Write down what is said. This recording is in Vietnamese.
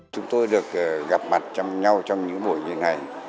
chúng tôi được gặp mặt trong nhau trong những buổi như ngày